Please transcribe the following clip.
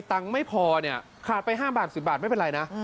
ไม่พอเนี่ยขาดไป๕บาท๑๐บาทไม่เป็นไรนะ